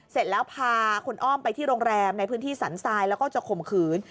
เสร็จแล้วพาคุณอ้อมไปที่โรงแรมในพื้นที่สันทรายแล้วก็จะข่มขืน